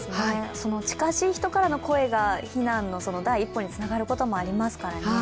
近しい人からの声が避難の第一歩につながることもありますからね。